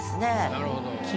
なるほど。